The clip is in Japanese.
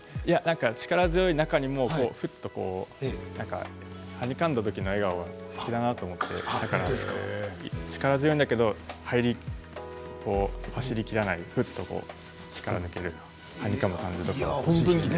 力強い中にもふっとはにかんだ時の笑顔がすてきだなと思って力強いんだけど走りきらないふっと力が抜ける感じ。